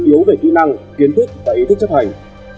chủ yếu về kỹ năng kiến thức và ý thức chấp hành